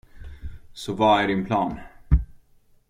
Så vad är din plan?